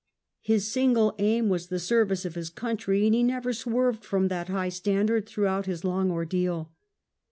His single aim was the service of his country, and ho novor swerved from that high standard through out his long ordeal.